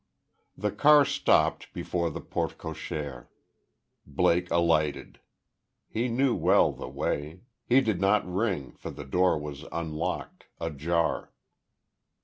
The car stopped before the porte cochere. Blake alighted. He knew well the way. He did not ring; for the door was unlocked ajar.